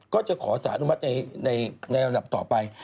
ก็จะขอสารอนุมัติในระดับต่อไป